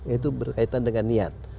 itu berkaitan dengan niat